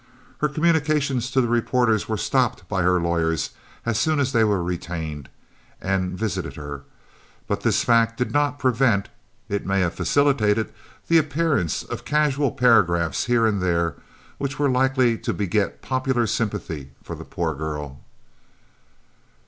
Her communications to the reporters were stopped by her lawyers as soon as they were retained and visited her, but this fact did not prevent it may have facilitated the appearance of casual paragraphs here and there which were likely to beget popular sympathy for the poor girl.